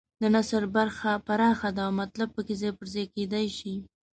د نثر برخه پراخه ده او مطلب پکې ځای پر ځای کېدای شي.